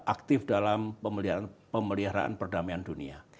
aktif dalam pemeliharaan perdamaian dunia